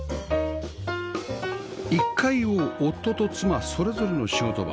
１階を夫と妻それぞれの仕事場